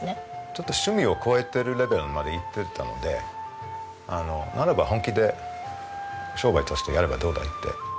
ちょっと趣味を超えてるレベルまでいってたのでならば本気で商売としてやればどうだい？って。